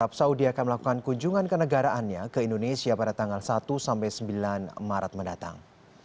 arab saudi akan melakukan kunjungan kenegaraannya ke indonesia pada tanggal satu sampai sembilan maret mendatang